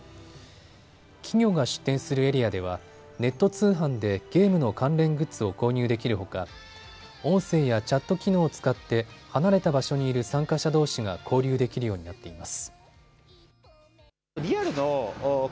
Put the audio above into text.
企業が出展するエリアではネット通販でゲームの関連グッズを購入できるほか音声やチャット機能を使って離れた場所にいる参加者どうしが交流できるようになっています。